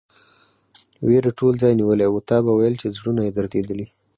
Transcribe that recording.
وېرې ټول ځای نیولی و، تا به ویل چې زړونه یې درېدلي.